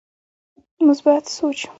مثبت سوچ